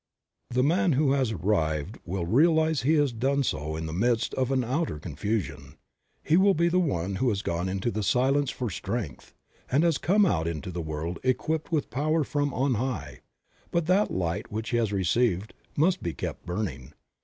'"THE man who has arrived will realize that he has done so in the midst of an outer confusion; he will be the one who has gone into the silence for strength, and has come out into the world equipped with power from on high ; but that light which he has received must be kept burning.